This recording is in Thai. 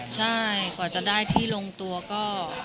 ใช่กว่าจะได้ที่ลงตัวก็